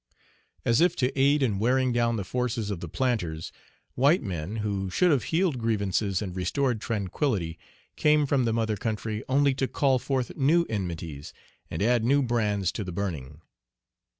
As if to aid in wearing down the forces of the planters, white men, who should have healed grievances and restored tranquillity, came from the mother country only to call forth new enmities, and add new brands to the burning.